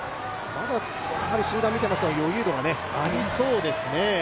まだ集団見てますと、余裕度がありそうですね。